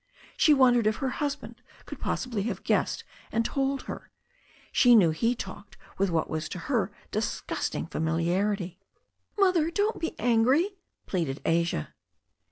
She wondered if her husband could possibly have guessed and told her. She knew he talked with what was to her disgusting familiarity. "Mother, don't be angry," pleaded Asia.